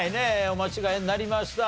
お間違えになりました。